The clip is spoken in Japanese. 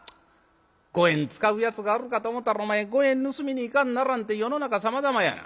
五円使うやつがあるかと思たらお前五円盗みに行かんならんて世の中さまざまやな。